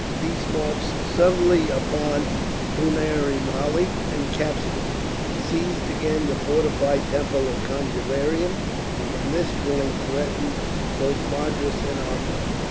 These marched suddenly upon Punemalli and captured it, seized again the fortified temple of Conjeveram, and from this point threatened both Madras and Arcot.